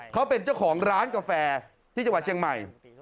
เขาเป็นเจ้าของร้านกาแฟที่จังหวัดเชียงใหม่